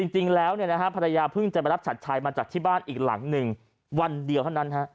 จริงแล้วภรรยาเพิ่งจะไปรับฉัดชัยมาจากที่บ้านอีกหลังหนึ่งวันเดียวเท่านั้น